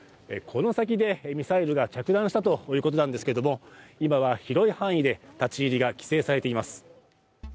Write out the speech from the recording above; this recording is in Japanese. この先でミサイルが着弾したということなんですけど今は広い範囲で立ち入りが規制されています。